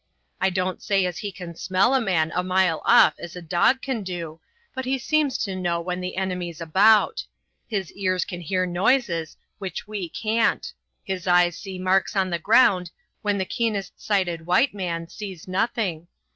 I don't say as he can smell a man a mile off as a dog can do, but he seems to know when the enemy's about; his ears can hear noises which we can't; his eyes see marks on the ground when the keenest sighted white man sees nothing.